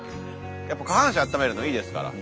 やっぱ下半身あっためるのいいですから。